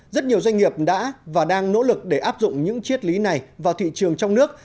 rất nhiều doanh nghiệp đã và đang nỗ lực để áp dụng những chiết lý này vào thị trường trong nước